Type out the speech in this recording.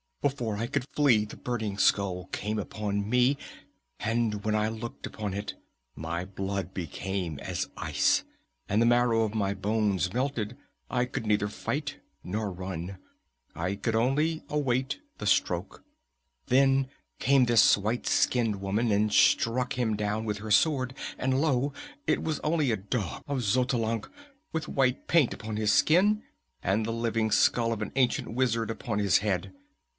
Before I could flee, the Burning Skull came upon me, and when I looked upon it my blood became as ice and the marrow of my bones melted. I could neither fight nor run. I could only await the stroke. Then came this white skinned woman and struck him down with her sword; and lo, it was only a dog of Xotalanc with white paint upon his skin and the living skull of an ancient wizard upon his head!